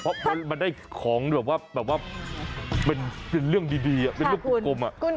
เพราะมันได้ของแบบว่าเป็นเรื่องดีเป็นเรื่องกลุ่ม